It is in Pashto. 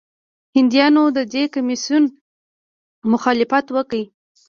هندیانو د دې کمیسیون مخالفت وکړ.